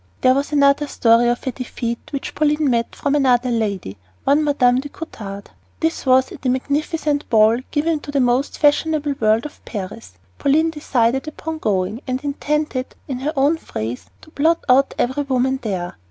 There is another story of a defeat which Pauline met from another lady, one Mme. de Coutades. This was at a magnificent ball given to the most fashionable world of Paris. Pauline decided upon going, and intended, in her own phrase, to blot out every woman there.